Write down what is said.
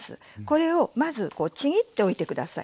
これをまずこうちぎっておいて下さい。